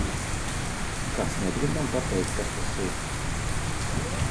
Kāds negrib man pateikt, kas tas ir?